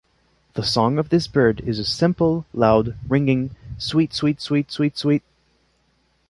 The song of this bird is a simple, loud, ringing "sweet-sweet-sweet-sweet-sweet".